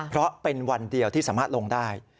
เพราะเป็นวันเดียวที่สามารถลงได้